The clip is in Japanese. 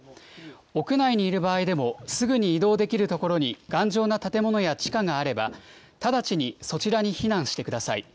屋内にいる場合でも、すぐに移動できる所に頑丈な建物や地下があれば、直ちにそちらに避難してください。